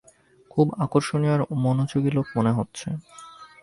খুব আকর্ষণীয় আর মনযোগী লোক মনে হচ্ছে।